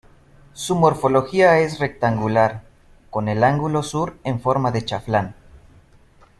Su morfología es rectangular, con el ángulo Sur en forma de chaflán.